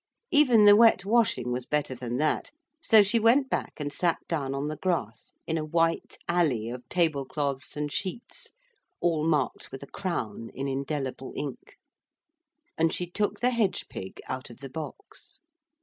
Even the wet washing was better than that, so she went back and sat down on the grass in a white alley of tablecloths and sheets, all marked with a crown in indelible ink. And she took the hedge pig out of the box.